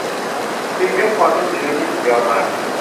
ครีมให้ความชุ่มชื้นนี้สุดยอดมาก